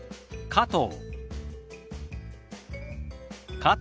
「加藤」。